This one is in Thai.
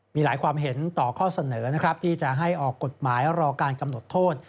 มีหลายความเห็นต่อข้อเสนอนะครับที่จะให้ออกกฎหมายรอการกำหนดโทษ